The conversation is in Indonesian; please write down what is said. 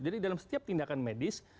jadi dalam setiap tindakan medis